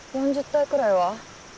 ４０体くらいは。